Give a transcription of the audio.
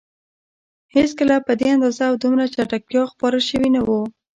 هېڅکله په دې اندازه او دومره چټکتیا خپاره شوي نه وو.